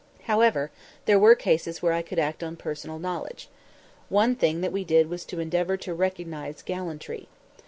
However, there were cases where I could act on personal knowledge. One thing that we did was to endeavor to recognize gallantry.